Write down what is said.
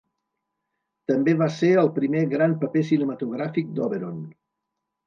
També va ser el primer gran paper cinematogràfic d'Oberon.